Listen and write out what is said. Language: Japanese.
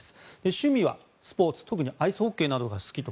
趣味はスポーツ特にアイスホッケーが好きと。